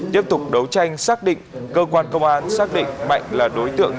tiếp tục đấu tranh xác định cơ quan công an xác định mạnh là đối tượng